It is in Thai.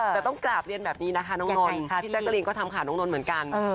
แต่ต้องกราบเรียนแบบนี้นะคะน้องนนท์พี่แจ๊กกะรีนก็ทำข่าวน้องนนท์เหมือนกัน